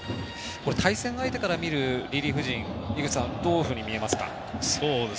対戦相手からみるリリーフ陣井口さんどういうふうに見えますか？